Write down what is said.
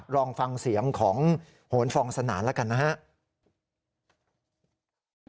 ลองฟังเสียงของโหนฟองสนานแล้วกันนะครับ